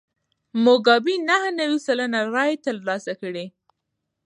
موګابي نهه نوي سلنه رایې ترلاسه کړې.